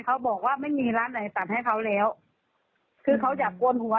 เขาบอกว่าไม่มีร้านไหนตัดให้เขาแล้วคือเขาอยากโกนหัว